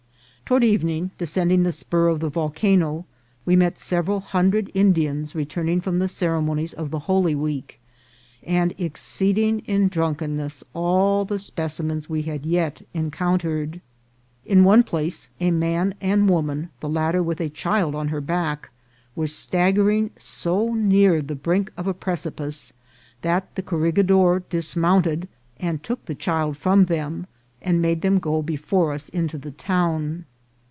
Toward evening, descending the spur of the volcano, we met several hundred Indians returning from the ceremonies of the Holy Week, and exceeding in drunkenness all the specimens we had yet encoun tered. In one place a man and woman, the latter with a child on her back, were staggering so near the brink of a precipice, that the corregidor dismounted and took the child from them, and made them go before us into the town.